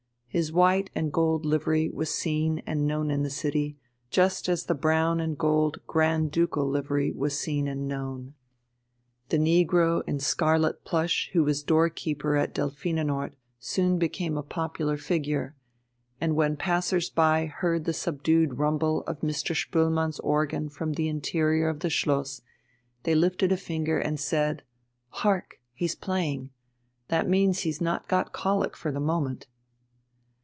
His white and gold livery was seen and known in the city, just as the brown and gold Grand Ducal livery was seen and known; the negro in scarlet plush who was doorkeeper at Delphinenort soon became a popular figure, and when passers by heard the subdued rumble of Mr. Spoelmann's organ from the interior of the Schloss they lifted a finger and said: "Hark, he's playing. That means that he's not got colic for the moment."